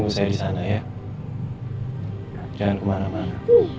saya disini juga gak kemana mana